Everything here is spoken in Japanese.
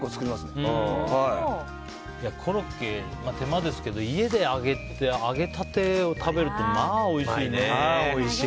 コロッケ、手間ですけど家で揚げて、揚げたてを食べるとまあおいしいね。